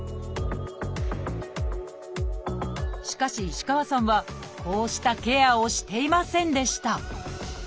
しかし石川さんはこうしたケアをしていませんでした。